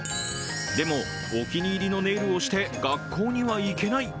でも、お気に入りのネイルをして学校には行けない。